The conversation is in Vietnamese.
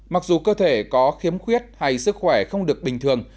mặc dù cơ thể có khiếm khuyết hay sức khỏe không được bình thường